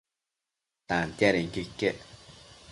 Tantiadenquio iquec